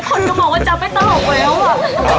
คนก็บอกว่าจะไม่ตลกแล้วอ่ะ